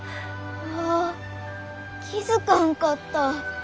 うわ気付かんかった。